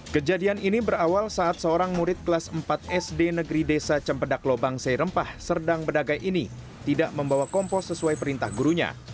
kejadian ini berawal saat seorang murid kelas empat sd negeri desa cempedak lobang seirempah serdang bedagai ini tidak membawa kompos sesuai perintah gurunya